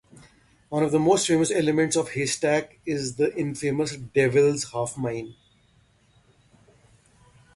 One of the most famous elements of Haystack is the infamous "Devil's Half Mile".